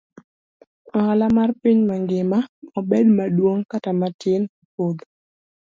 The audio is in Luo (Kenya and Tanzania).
Ohala mar piny mangima, obed maduong' kata matin opodho.